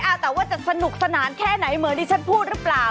แต่ว่าจะสนุกสนานแค่ไหนเหมือนที่ฉันพูดหรือเปล่า